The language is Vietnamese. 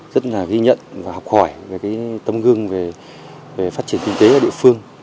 rất là ghi nhận và học hỏi về cái tấm gương về phát triển kinh tế ở địa phương